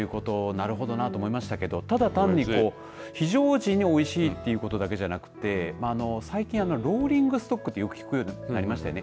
なるほどなと思いましたけれどただ単に非常時においしいということだけじゃなくて最近ローリングストックとよく聞きようになりましたよね。